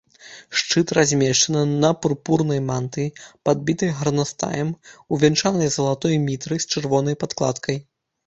Шчыт размешчаны на пурпурнай мантыі, падбітай гарнастаем, увянчанай залатой мітрай з чырвонай падкладкай.